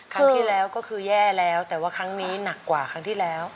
ครั้งที่แล้วก็คือแย่แล้วแต่ว่าครั้งนี้หนักกว่าครั้งที่แล้ว